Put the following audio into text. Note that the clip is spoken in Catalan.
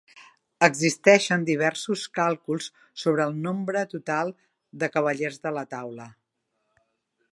Existeixen diversos càlculs sobre el nombre total de cavallers de la Taula.